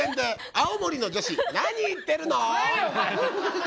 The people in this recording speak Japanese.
「青森の女子何言ってるのー！？」。